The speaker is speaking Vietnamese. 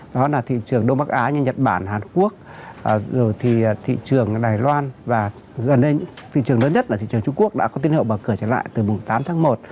đó là thị trường đông bắc á như nhật bản hàn quốc thì thị trường đài loan và gần đây những thị trường lớn nhất là thị trường trung quốc đã có tín hiệu mở cửa trở lại từ tám tháng một